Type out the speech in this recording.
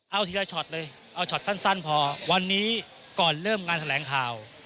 เอาทีละช็อตเลยเอาช็อตสั้นพอวันนี้ก่อนเริ่มงานแถลงข่าว